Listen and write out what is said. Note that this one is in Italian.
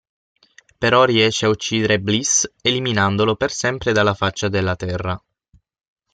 Però riesce ad uccidere Bliss eliminandolo per sempre dalla faccia della terra.